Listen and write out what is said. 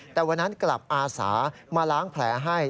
แต่วันนั้นกลับอาสามาล้างแผลให้